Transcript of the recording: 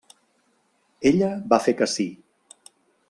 Ella va fer que sí.